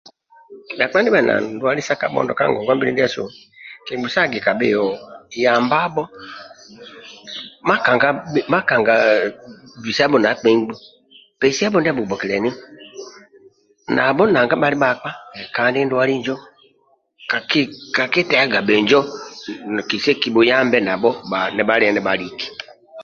bakpa ndibali na ndwali sa kabondo ka ngongwabili ndiasu kiki busagika biyo makanga bhisabo nakpemgbu pesiyabo ndia bugbokilyani nanga nabho bali bakpa ndwali njo kaki tehaga binjo kesi ki buyambe nabo nibalya ni baliki